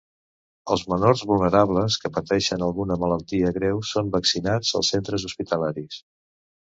Els menors vulnerables, que pateixen alguna malaltia greu són vaccinats als centres hospitalaris.